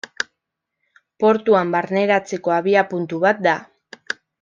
Portuan barneratzeko abiapuntu bat da.